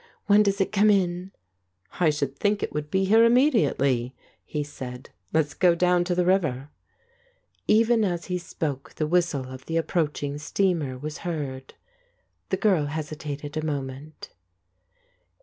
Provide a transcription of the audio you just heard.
When does it come in?" "I should think it would be here immediately," he said. "Let's go down to the river." Even as he spoke the whistle of the approaching steamer was heard. The girl hesitated a moment.